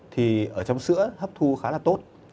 thì ở trong sữa hấp thu khá là tốt